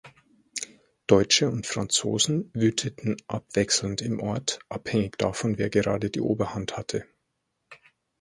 Deutsche und Franzosen wüteten abwechselnd im Ort, abhängig davon wer gerade die Oberhand hatte.